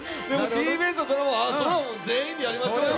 ＴＢＳのドラマは全員でやりましょうよ。